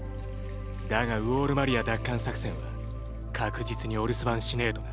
だがウォール・マリア奪還作戦は確実にお留守番しねぇとな。